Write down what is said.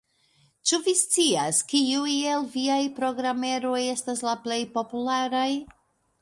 Ĉu vi scias, kiuj el viaj programeroj estas la plej popularaj?